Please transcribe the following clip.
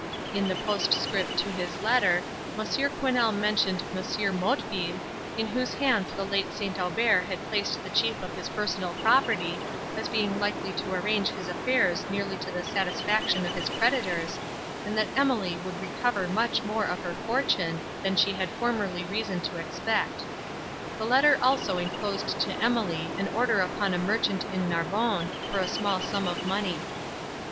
In the postscript to his letter, Monsieur Quesnel mentioned M. Motteville, in whose hands the late St. Aubert had placed the chief of his personal property, as being likely to arrange his affairs nearly to the satisfaction of his creditors, and that Emily would recover much more of her fortune, than she had formerly reason to expect. The letter also inclosed to Emily an order upon a merchant at Narbonne, for a small sum of money.